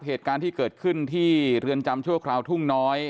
เหตุการณ์ที่เกิดขึ้นที่เรือนจำชั่วคราวทุ่งน้อย